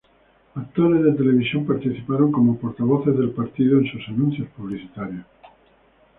Actores de televisión participaron como portavoces del partido en sus anuncios publicitarios.